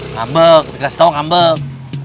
ngambek dikasih tau ngambek